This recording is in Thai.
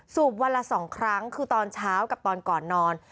วันละ๒ครั้งคือตอนเช้ากับตอนก่อนนอน